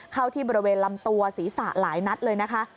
เข้าที่บริเวณลำตัวศีรษะหลายนัดเลยนะคะ